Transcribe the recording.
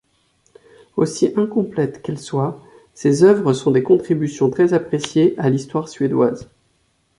Aussi incomplètes qu'elles soient, ces œuvres sont des contributions très appréciées à l'histoire suédoise.